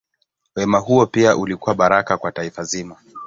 Wema huo pia ulikuwa baraka kwa taifa zima.